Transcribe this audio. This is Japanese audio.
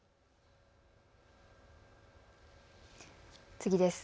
次です。